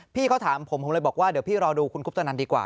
พี่เขาถามผมผมเลยบอกว่าเดี๋ยวพี่รอดูคุณคุปตนันดีกว่า